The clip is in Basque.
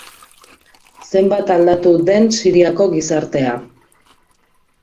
Zenbat aldatu den Siriako gizartea.